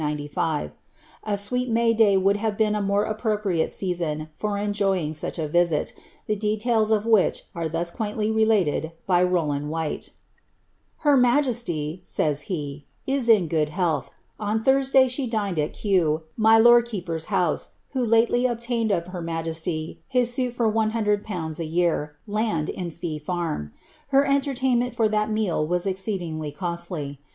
A sweet May day would have been a more appro piiate season for enjoying such a visit, the details of which are thus qvaintly related by Rowland Whyte :—^ Iler majesty," says he, ^ is in good health ; on Thursday she dined at Kew, my lord keeper's house, who lately obtained of her majesty his suit for lOOZ. a year, land in fee turn. Her entertainment for that meal was exceedingly costly.